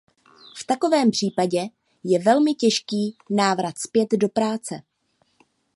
V takovém případě je velmi těžký návrat zpět do práce.